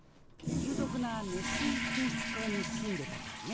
有毒な熱水噴出孔に住んでたからね。